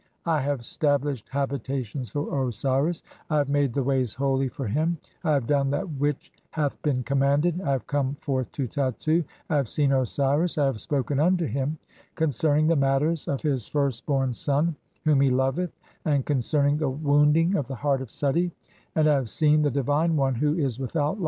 I have stablished habitations for Osiris, I have made "the ways holy (46) for him, I have done that which hath been "commanded, I have come forth to Tattu, I have seen Osiris, "I have spoken unto him concerning the matters of his first "born son whom (47) he loveth and concerning the wounding "of the heart of Suti, and I have seen the divine one who is "without life.